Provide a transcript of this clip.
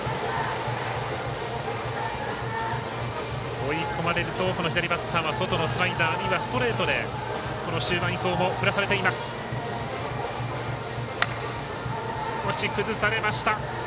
追い込まれると左バッターは外のストレートで終盤以降も振らされています。